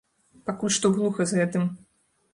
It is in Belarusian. Пакуль што глуха з гэтым.